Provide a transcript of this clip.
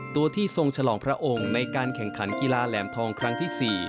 ตัวที่ทรงฉลองพระองค์ในการแข่งขันกีฬาแหลมทองครั้งที่๔